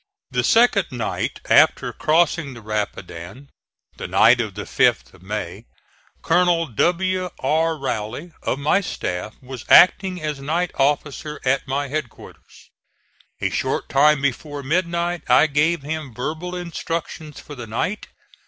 The second night after crossing the Rapidan (the night of the 5th of May) Colonel W. R. Rowley, of my staff, was acting as night officer at my headquarters. A short time before midnight I gave him verbal instructions for the night.